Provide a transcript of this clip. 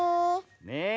ねえ。